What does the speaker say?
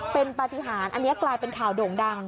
เป็นปฏิหารอันนี้กลายเป็นข่าวโด่งดัง